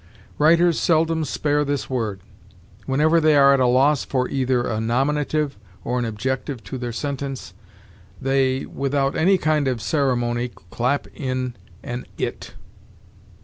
Writers seldom spare this word. Whenever they are at a loss for either a nominative or an objective to their sentence, they, without any kind of ceremony, clap in an it.